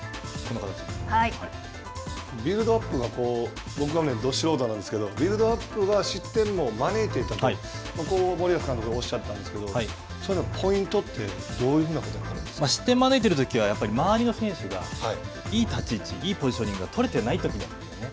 ビルドアップが僕はど素人なんですけどビルドアップが失点も招いていたと、森保監督がおっしゃったんですけど、それのポイントってどういうふうなことになるんです失点を招いているときは、周りの選手がいい立ち位置いいポジショニングが取れていないときなんですね。